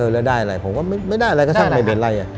แล้วได้อะไรผมก็ไม่ได้อะไรก็ช่างไม่เป็นไร